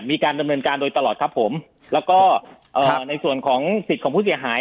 มีการดำเนินการโดยตลอดครับผมแล้วก็เอ่อในส่วนของสิทธิ์ของผู้เสียหาย